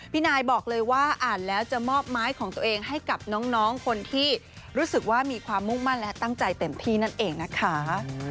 พี่นายบอกเลยว่าอ่านแล้วจะมอบไม้ของตัวเองให้กับน้องคนที่รู้สึกว่ามีความมุ่งมั่นและตั้งใจเต็มที่นั่นเองนะคะ